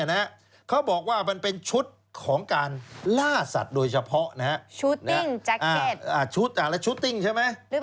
แล้วชุดห้าใช่ไหม